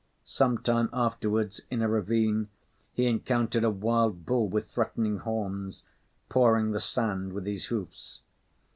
Some time afterwards, in a ravine, he encountered a wild bull, with threatening horns, pawing the sand with his hoofs.